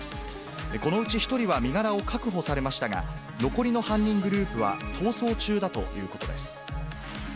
このうち１人は身柄を確保されましたが、残りの犯人グループは逃走中だということです。